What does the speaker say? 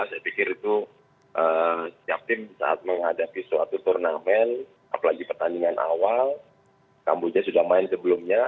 saya pikir itu setiap tim saat menghadapi suatu turnamen apalagi pertandingan awal kamboja sudah main sebelumnya